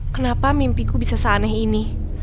kenapa mimpiku bisa seaneh ini